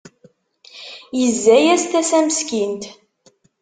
Yezza-yas tasa meskint.